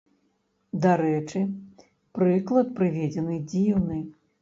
Дарэчы, прыклад прыведзены дзіўны.